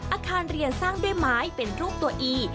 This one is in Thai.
อาคารเรียนสร้างด้วยไม้เป็นรูปตัวอี